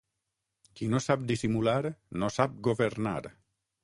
Qui no sap dissimular no sap governar.